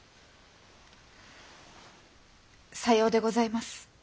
さようでございます。